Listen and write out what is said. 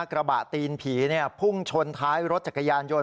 ตีนผีพุ่งชนท้ายรถจักรยานยนต